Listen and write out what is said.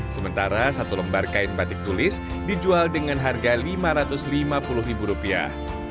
sementara satu lembar kain batik tulis dijual dengan harga lima ratus lima puluh ribu rupiah